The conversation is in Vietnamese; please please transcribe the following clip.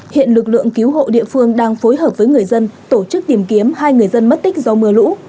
hiện lực lượng cứu hộ địa phương đang phối hợp với người dân tổ chức tìm kiếm hai người dân mất tích do mưa lũ